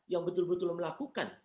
yang betul betul melakukan